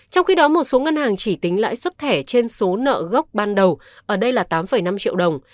trong khi đó một số ngân hàng chỉ tính lãi suất thẻ trên số nợ gốc ban đầu ở đây là tám năm triệu đồng